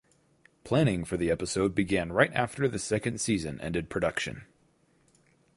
Planning for the episode began right after the second season ended production.